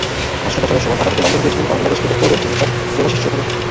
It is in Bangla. অস্ত্রোপচারের সময় ঢাকা থেকে লন্ডন গিয়েছিলেন বাংলাদেশ ক্রিকেট বোর্ডের চিকিৎসক দেবাশীষ চৌধুরী।